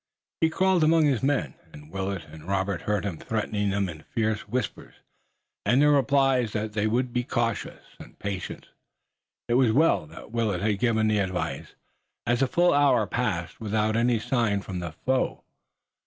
He crawled among his men, and Willet and Robert heard him threatening them in fierce whispers, and their replies that they would be cautious and patient. It was well that Willet had given the advice, as a full hour passed without any sign from the foe.